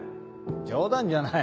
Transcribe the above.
冗談じゃない。